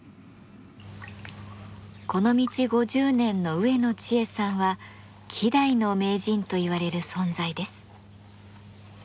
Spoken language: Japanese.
この道５０年の植野知恵さんは希代の名人といわれる存在です。